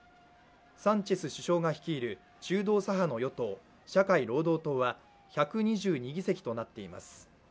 サンチェス首相が率いる中道左派の与党社会労働党は１２２議席となっています。